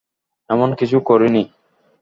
এমন কিছুই করিনি।